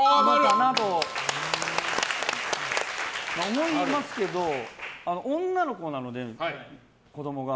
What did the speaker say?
迷いますけど女の子なので子供が。